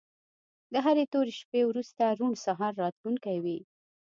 د هرې تورې شپې وروسته روڼ سهار راتلونکی وي.